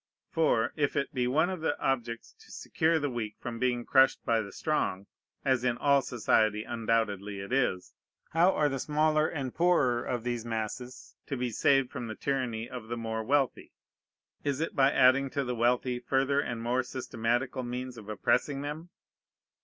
For, if it be one of the objects to secure the weak from being crushed by the strong, (as in all society undoubtedly it is,) how are the smaller and poorer of these masses to be saved from the tyranny of the more wealthy? Is it by adding to the wealthy further and more systematical means of oppressing them?